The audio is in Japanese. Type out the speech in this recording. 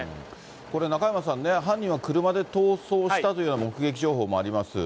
これ、中山さん、犯人は車で逃走したというような目撃情報もあります。